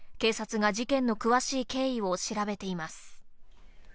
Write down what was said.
警察が事件の詳しい経緯を調べています。